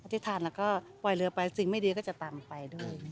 ที่ฐานแล้วก็ปล่อยเรือไปสิ่งไม่ดีก็จะตามไปด้วย